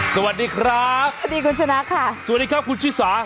สวัสดีครับสวัสดีคุณชนะค่ะสวัสดีครับคุณชิสา